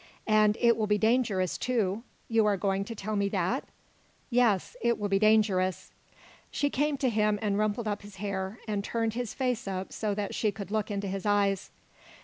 "And it will be dangerous, too? You are going to tell me that?" "Yes, it will be dangerous." She came to him and rumpled up his hair, and turned his face up so that she could look into his eyes.